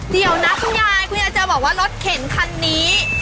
เดี๋ยวนะคุณยายคุณยายจะบอกว่ารถเข็นคันนี้